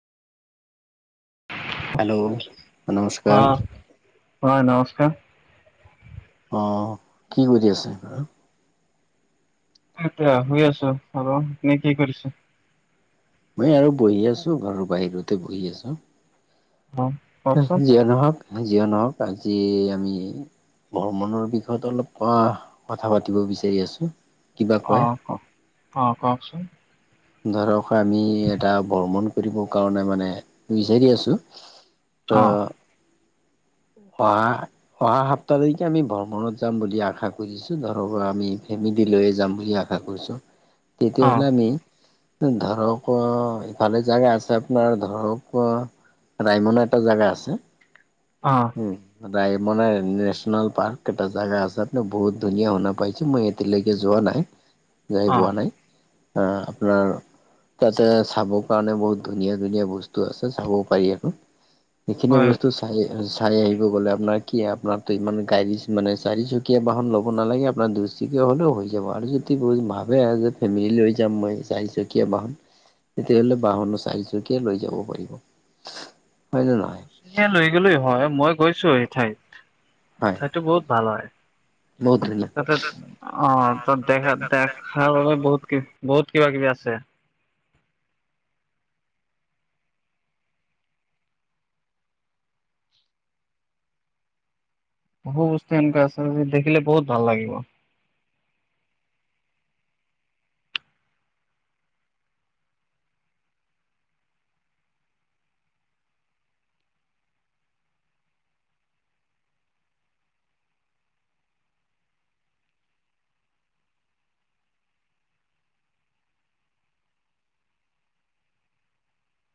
Hello অহ, হয় নমস্কাৰ। অ কি কৰি আছে? এ এতিয়া শুই আছো আৰু আপুনি কি কৰিছে? মই আৰু বহি আছো ঘৰৰ বাহিৰতে বহি আছো। অ কওকচোন যিয়ে নহওক, যিয়ে নহওক আজি আমি ভ্ৰমণৰ বিষয়ত অলপ অহ কথা পাতিব বিচাৰি আছো। কিবা অ কয় কওক অ কওকচোন। ধৰক আমি এটা ভ্ৰমণ কৰিব কাৰণে মানে বিচাৰি আছো ত' অ অহা অহা সাপ্তাহ লৈকে আমি ভ্ৰমণত যাম বুলি আশা কৰিছো, ঘৰৰ পৰা আমি ফেমিলি লৈয়ে যাম বুলি আ শা কৰিছো অ তেতিয়াহ'লে আমি, ধৰক কোৱা ইফালে জাগা আছে, আপোনাৰ ধৰক কোৱা ৰাইমনা এটা জাগা আছে। অহ উম ৰাইমনা নেছনেল পাৰ্ক এটা জাগা আছে, আপুনি বহুত ধুনীয়া শুনা পাইছে মই এতিয়ালৈকে যোৱা নাই, যাই অ পোৱা নাই আ আপোনাৰ তাতে চাবৰ কাৰণে বহুত ধুনীয়া ধুনীয়া বস্তু আছে চাব পাৰি আৰু। সেইখিনি হয়। বস্তু চা চাই আহিব গ'লে আপোনাৰ কি আপোনাৰতো ইমান গাড়ী মানে চাৰিচকীয়া বাহন ল'ব নালাগে, আপোনাৰ দু চকিয়া হ'লেও হৈ যাব, আৰু যদি ব ভাবে আৰু যে ফেমিলি লৈ যাম মই চাৰিচকীয়া বাহন, তেতিয়াহলে বাহনো চাৰিচকীয়া লৈ যাব পাৰিব। হয় জানো? এ লৈ গ'লে হয়, মই গৈছো সেই ঠাইত। হয়। সেইটো বহুত ভাল হয়। বহুত ধুনীয়া অ তাত দেখা দেখাৰ বাবে বহুত কি বহুত কিবা কিবি আছে, বহু বস্তু এনেকোৱা আছে যে দেখিলে বহুত ভাল লাগিব।